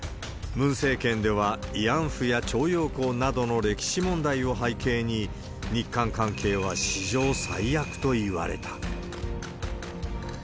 ムン政権では、慰安婦や徴用工などの歴史問題を背景に、日韓関係は史上最悪といわれた。